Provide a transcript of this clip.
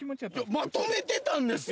まとめてたんですよ！